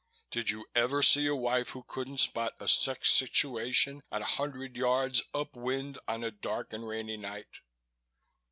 "Did you ever see a wife who couldn't spot a sex situation at a hundred yards up wind on a dark and rainy night?"